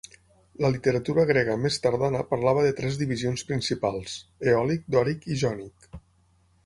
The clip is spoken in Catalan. La literatura grega més tardana parlava de tres divisions principals: eòlic, dòric i jònic.